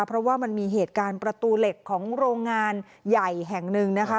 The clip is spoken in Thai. เพราะว่ามันมีเหตุการณ์ประตูเหล็กของโรงงานใหญ่แห่งหนึ่งนะคะ